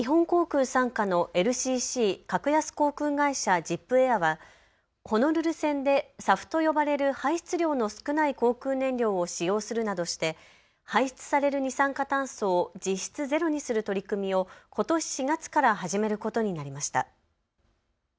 日本航空傘下のＬＣＣ・格安航空会社、ジップエアはホノルル線でＳＡＦと呼ばれる排出量の少ない航空燃料を使用するなどして排出される二酸化炭素を実質ゼロにする取り組みをことし４月から始めることになりました。